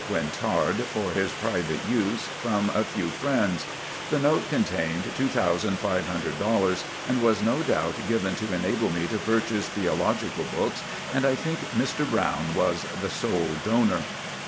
Quintard, for his private use, from a few friends." The note contained $2500 and was no doubt given to enable me to purchase theological books and I think Mr. Brown was the sole donor.